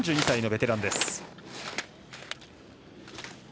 ３２歳のベテランです。